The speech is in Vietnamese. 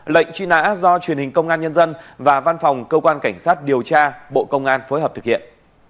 lệnh truy nã do truyền hình công an nhân dân và văn phòng cơ quan cảnh sát điều tra bộ công an phối hợp thực hiện